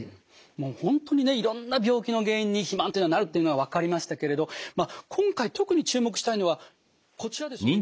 本当にねいろんな病気の原因に肥満というのがなるというのは分かりましたけれど今回特に注目したいのはこちらですよね